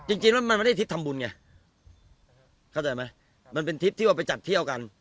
จริงแล้วมันไม่ได้ทริปทำบุญไงเข้าใจไหมมันเป็นทริปที่ว่าไปจัดเที่ยวกัน